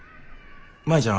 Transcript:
舞ちゃん